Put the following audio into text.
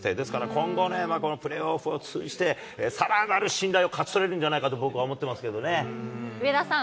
今後ね、このプレーオフを通じて、さらなる信頼を勝ち取れるんじゃないか上田さん。